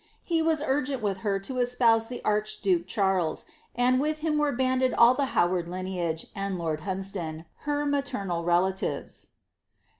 He was urgent with her to espouse the archduke Charles, and vith him were banded all of the Howard lineage and Lord Hunsdon, ber maternal relatives.